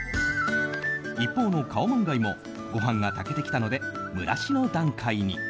一方のカオマンガイもご飯が炊けてきたので蒸らしの段階に。